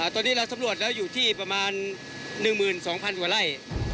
ตอนนี้เราสำรวจแล้วอยู่ที่ประมาณ๑๒๐๐๐กว่าไร่